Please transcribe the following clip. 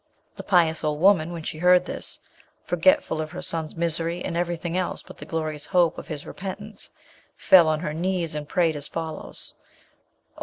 "The pious old woman, when she heard this, forgetful of her son's misery, and everything else but the glorious hope of his repentance, fell on her knees, and prayed as follows 'Oh!